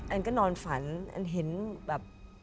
อันก็นอนฝันอันเห็นแบบ